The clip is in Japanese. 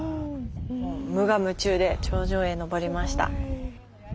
もう無我夢中で頂上へ登りました。